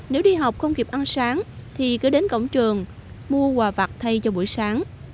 nếu đi học không kịp ăn sáng thì cứ đến cổng trường mua quả vặt thay cho buổi sáng